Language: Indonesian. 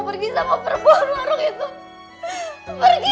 dan tidak akan marah cres influences